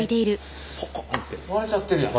割れちゃってるやん。